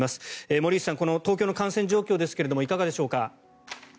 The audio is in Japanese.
森内さん、東京の感染状況ですがいかがでしょうか。